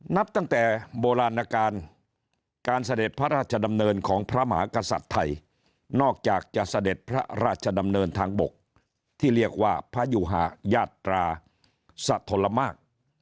นับตั้งแต่โบราณการการเสด็จพระราชดำเนินของพระมหากษัตริย์ไทยนอกจากจะเสด็จพระราชดำเนินทางบกที่เรียกว่าพระยุหายาตราสะทลมาก